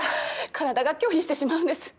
体が拒否してしまうんです。